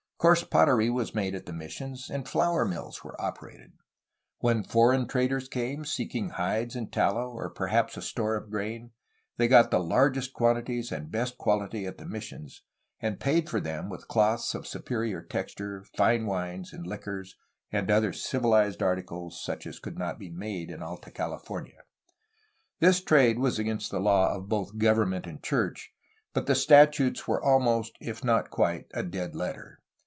Coarse pottery was made at the missions, and flour mills were operated. When foreign traders came, seeking hides and tallow or perhaps a store of grain, they got the largest quantities and best quaUty at the missions, and paid for them with cloths of superior texture, fine wines and liquors, and other ^'civilized articles" such as could not be made in Alta CaUfornia. This trade was against the law of both government and church, but the statutes were almost, if not quite, a dead letter.